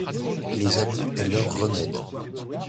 Les abus et leurs remèdes.